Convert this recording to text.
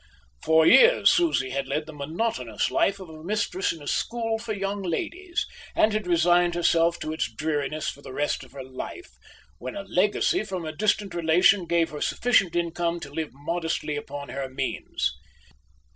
For years Susie had led the monotonous life of a mistress in a school for young ladies, and had resigned herself to its dreariness for the rest of her life, when a legacy from a distant relation gave her sufficient income to live modestly upon her means.